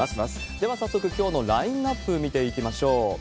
では、早速、きょうのラインナップ見ていきましょう。